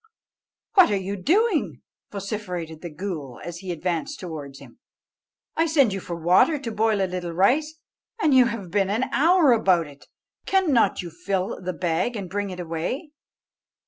"What are you doing?" vociferated the ghool, as he advanced towards him; "I sent you for water to boil a little rice, and you have been an hour about it. Cannot you fill the bag and bring it away?"